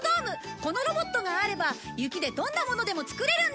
このロボットがあれば雪でどんなものでも作れるんだ！